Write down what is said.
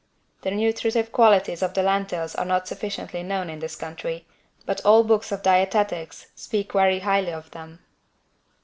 The nutritive qualities of the lentils are not sufficiently known in this country, but all books on dietetics speak very highly of them.